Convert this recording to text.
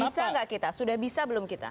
bisa nggak kita sudah bisa belum kita